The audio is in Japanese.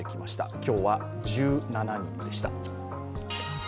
今日は１７人でした。